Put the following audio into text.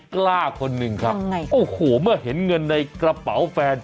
แต่ไม่ใช่พระ